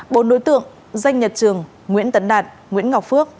bốn đối tượng danh nhật trường nguyễn tấn đạt nguyễn ngọc phước